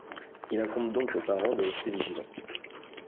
Il incombe donc aux parents de rester vigilants.